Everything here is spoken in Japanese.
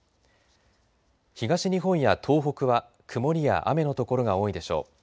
東日本や東北は曇りや雨の所が多いでしょう。